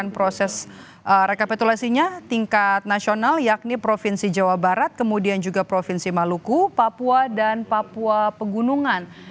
papua dan papua pegunungan